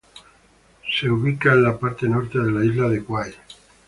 Se ubica en la parte norte de la isla de Kauai.